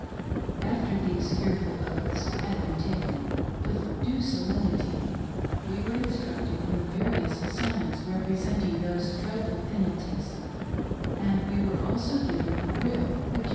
After these fearful oaths had been taken, with due solem nity, we were instructed in the various signs representing those dreadful penalties ; and we were also given a " grip " peculiar to this degree.